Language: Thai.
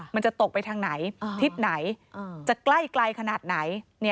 มันจะตกไปทางไหนทิศไหนจะใกล้ขนาดไหน